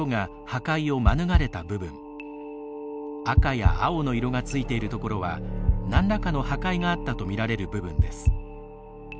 赤や青の色がついているところはなんらかの破壊があったとみられる部分です。